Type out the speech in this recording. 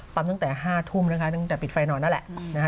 ตั้งแต่๕ทุ่มนะคะตั้งแต่ปิดไฟนอนนั่นแหละนะฮะ